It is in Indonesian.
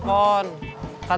mungkin belum bisa masuk kerja